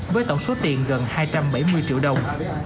với tổng số tiền gần hai trăm bảy mươi triệu đồng